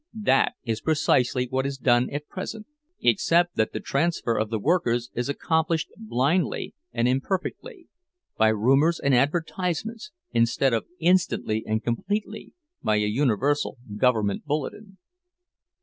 That is precisely what is done at present, except that the transfer of the workers is accomplished blindly and imperfectly, by rumors and advertisements, instead of instantly and completely, by a universal government bulletin."